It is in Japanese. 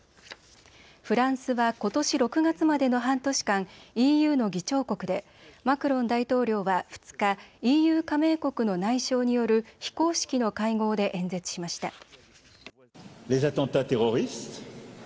フランスはことし６月までの半年間、ＥＵの議長国でマクロン大統領は２日、ＥＵ加盟国の内相による非公式の会合で演説しました。